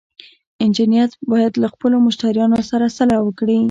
انجینر باید له خپلو مشتریانو سره سلا وکړي.